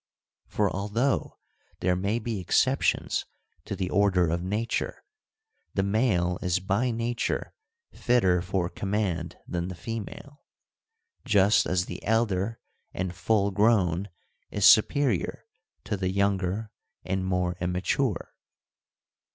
For, although there may be exceptions to the order of nature, the male is by nature fitter for command than the fe male, just as the elder and full grown is superior to the younger and more immature.